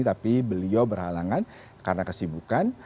tapi beliau berhalangan karena kesibukan